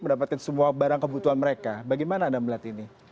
mendapatkan semua barang kebutuhan mereka bagaimana anda melihat ini